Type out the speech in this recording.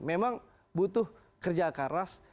memang butuh kerja keras